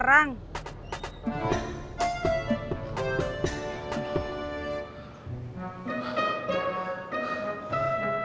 bukan begitu pak